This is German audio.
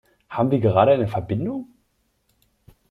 Haben wir gerade eine Verbindung?